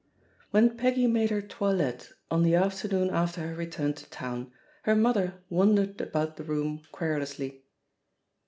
When Peggy made her toilette on the after noon after her retiuTi to town, her mother wan dered about the room querulously.